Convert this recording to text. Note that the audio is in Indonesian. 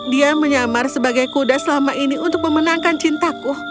dia menyamar sebagai kuda selama ini untuk memenangkan cintaku